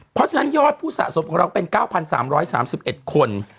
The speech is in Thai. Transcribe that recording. เพราะฉะนั้นยอดผู้สะสมของเราเป็น๙๓๓๑คน